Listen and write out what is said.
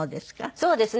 そうですね。